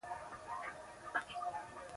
دا د مغانو خرابات دی په کې رندان دي.